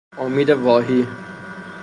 امید واهی